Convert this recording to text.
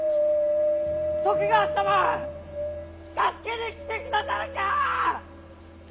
徳川様は助けに来てくださるんか！